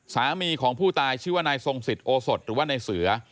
สามีของผู้ตายชื่อว่านายทรงสิทธิโอสดหรือว่านายเสือ